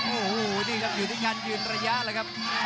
โอ้โหนี่ครับอยู่ที่การยืนระยะแล้วครับ